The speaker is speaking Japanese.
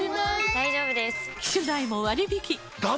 大丈夫です！